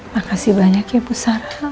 makasih banyak ya bu sara